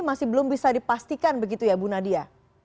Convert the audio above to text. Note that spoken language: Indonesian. masih belum bisa dipastikan begitu ya bu nadia